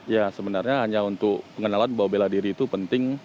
ya sebenarnya hanya untuk pengenalan bahwa bela diri itu penting